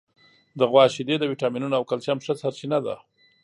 د غوا شیدې د وټامینونو او کلسیم ښه سرچینه ده.